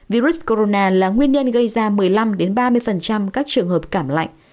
virus corona là nguyên nhân gây ra một mươi năm ba mươi các trường hợp cảm lạnh